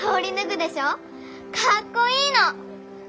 かっこいいの！